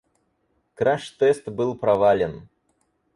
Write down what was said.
Краш-тест был провален.